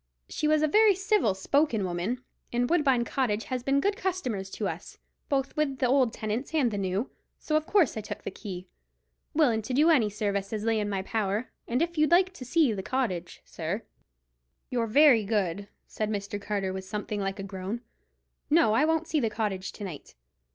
She was a very civil spoken young woman, and Woodbine Cottage has been good customers to us, both with the old tenants and the new; so of course I took the key, willin' to do any service as lay in my power. And if you'd like to see the cottage, sir——" "You're very good," said Mr. Carter, with something like a groan. "No, I won't see the cottage to night.